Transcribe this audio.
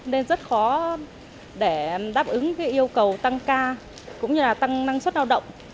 nên rất khó để đáp ứng yêu cầu tăng ca cũng như là tăng năng suất lao động